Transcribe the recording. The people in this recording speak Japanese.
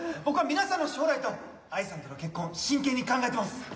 僕は皆さんの将来と藍さんとの結婚真剣に考えてます。